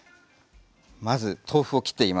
まず豆腐を切っていきます。